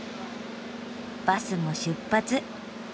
バスも出発。